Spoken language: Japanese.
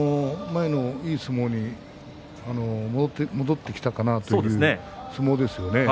前のいい相撲に戻ってきたかなという相撲ですね。